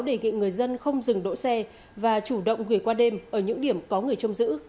đề nghị người dân không dừng đỗ xe và chủ động hủy qua đêm ở những điểm có người chông giữ